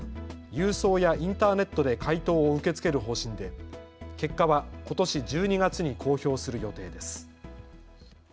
郵送やインターネットで回答を受け付ける方針で結果はことし１２月に公表する予定です。